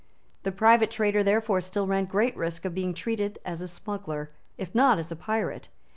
The private trader therefore still ran great risk of being treated as a smuggler, if not as a pirate.